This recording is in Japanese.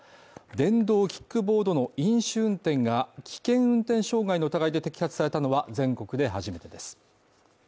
電動キックボードの飲酒運転が危険運転傷害の疑いで摘発されたのは全国で初めてです。